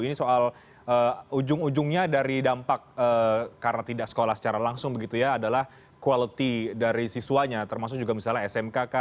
ini soal ujung ujungnya dari dampak karena tidak sekolah secara langsung begitu ya adalah quality dari siswanya termasuk juga misalnya smk